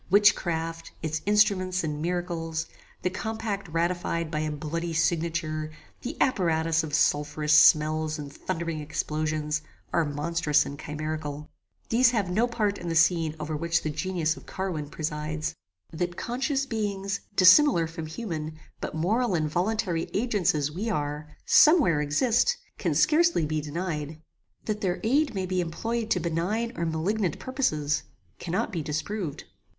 Witchcraft, its instruments and miracles, the compact ratified by a bloody signature, the apparatus of sulpherous smells and thundering explosions, are monstrous and chimerical. These have no part in the scene over which the genius of Carwin presides. That conscious beings, dissimilar from human, but moral and voluntary agents as we are, some where exist, can scarcely be denied. That their aid may be employed to benign or malignant purposes, cannot be disproved.